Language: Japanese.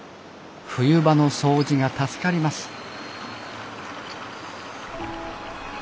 冬場の掃除が助かります